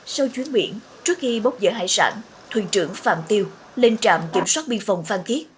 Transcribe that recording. sau chuyến biển trước khi bốc dở hải sản thuyền trưởng phạm tiêu lên trạm kiểm soát biên phòng phan thiết